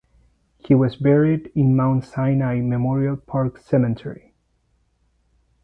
He was buried in Mount Sinai Memorial Park Cemetery.